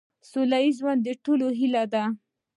سوله ایز ژوند د ټولو هیله ده.